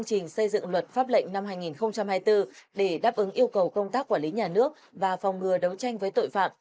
năm hai nghìn hai mươi bốn để đáp ứng yêu cầu công tác quản lý nhà nước và phòng ngừa đấu tranh với tội phạm